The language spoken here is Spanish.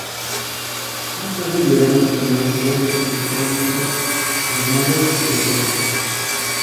Más tarde llegaron los primeros colonos, principalmente normandos y bretones.